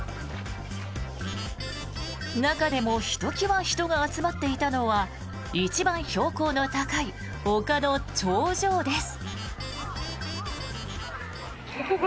中でもひときわ人が集まっていたのは一番標高の高い丘の頂上です。